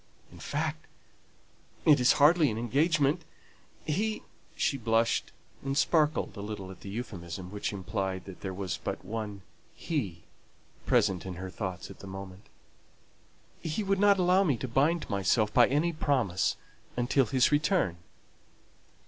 In fact, it is hardly an engagement he" (she blushed and sparkled a little at the euphuism, which implied that there was but one "he" present in her thoughts at the moment) "would not allow me to bind myself by any promise until his return!"